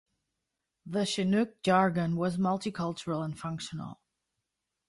The Chinook Jargon was multicultural and functional.